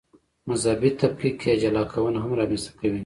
مذهبي تفکیک یا جلاکونه هم رامنځته کوي.